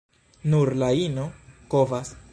Nur la ino kovas.